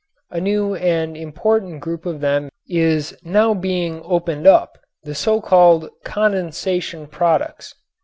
A new and important group of them is now being opened up, the so called "condensation products."